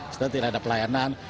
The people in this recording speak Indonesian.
sudah tidak ada pelayanan